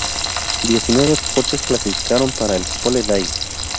Diecinueve coches clasificaron para el "Pole Day".